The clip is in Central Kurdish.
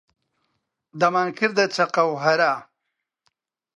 دەمانکردە چەقە و هەرا